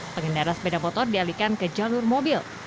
pengendara sepeda motor dialihkan ke jalur mobil